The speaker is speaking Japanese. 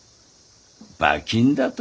馬琴だと？